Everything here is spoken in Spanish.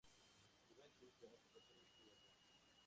Juventus ganó su tercer "scudetto".